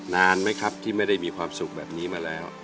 นานไหมครับที่ไม่ได้มีความสุขแบบนี้มาแล้ว